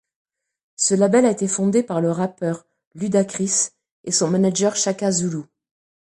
Ce label a été fondé par le rappeur Ludacris et son manageur Chaka Zulu.